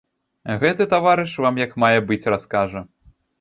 Гэты таварыш вам як мае быць раскажа.